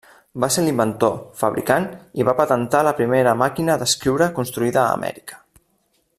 Va ser l'inventor, fabricant i va patentar la primera màquina d'escriure construïda a Amèrica.